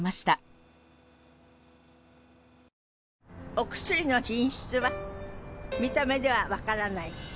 お薬の品質は見た目では分からない。